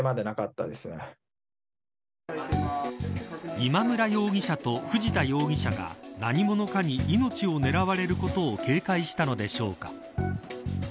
今村容疑者と藤田容疑者が何者かに命を狙われることを警戒したのでしょうか。